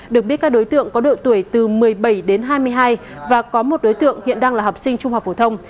được biết các đối tượng có độ tuổi từ một mươi bảy đến hai mươi hai và có một đối tượng hiện đang là học sinh trung học phổ thông